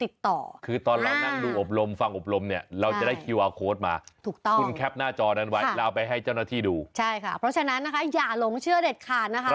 เพราะฉะนั้นนะคะอย่าหลงเชื่อเด็ดขาดนะคะ